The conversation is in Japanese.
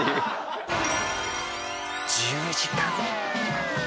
１０時間。